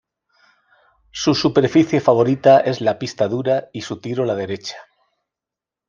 Su superficie favorita es la pista dura y su tiro la derecha.